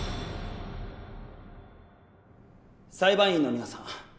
裁判員の皆さん。